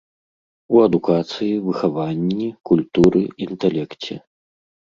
У адукацыі, выхаванні, культуры, інтэлекце.